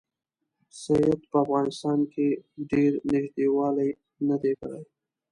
سید په افغانستان کې ډېر نیژدې والی نه دی کړی.